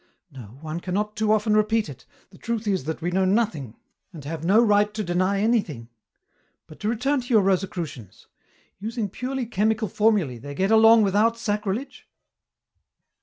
No, one cannot too often repeat it, the truth is that we know nothing and have no right to deny anything. But to return to your Rosicrucians. Using purely chemical formulæ, they get along without sacrilege?"